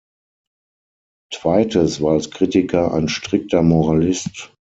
Thwaites war als Kritiker ein strikter Moralist.